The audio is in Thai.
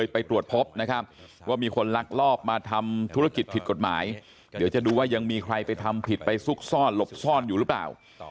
ไปตรวจพบนะครับว่ามีคนลักลอบมาทำธุรกิจผิดกฎหมายเดี๋ยวจะดูว่ายังมีใครไปทำผิดไปซุกซ่อนหลบซ่อนอยู่หรือเปล่า